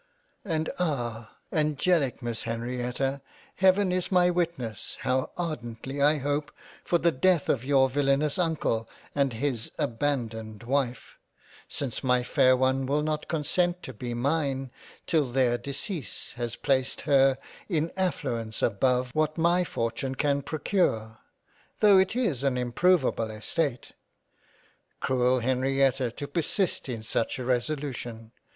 And ah ! Angelic Miss Henrietta Heaven is my witness how ardently I do hope for the death of your villanous Uncle and his abandoned Wife, since my fair one will not consent to be mine till their decease has placed her in affluence above what my fortune can procure —. Though it is an improvable Estate —. Cruel Henrietta to persist in such a resolution